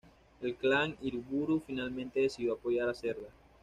El clan Uriburu finalmente decidió apoyar a Zerda.